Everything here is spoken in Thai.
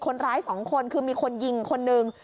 คนร้าย๒คนคือมีคนยิงคนหนึ่ง